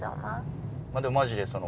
まあでもマジでその。